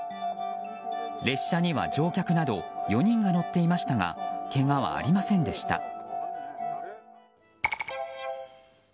列車には乗客など４人が乗っていましたがけがはありませんでした。